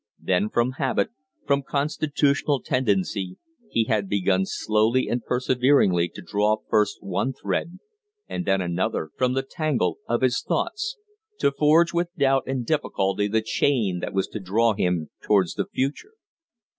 Then, from habit, from constitutional tendency, he had begun slowly and perseveringly to draw first one thread and then another from the tangle of his thoughts to forge with doubt and difficulty the chain that was to draw him towards the future.